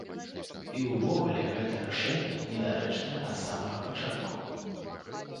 І ўвогуле гэтае рашэнне недарэчнае ад самага пачатку.